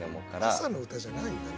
朝の歌じゃないんだな。